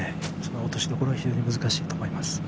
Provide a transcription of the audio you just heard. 落としどころが非常に難しいと思います。